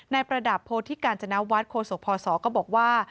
ในประดาบโพลที่กาญจนาวาสโครสกพศก็บอกว่า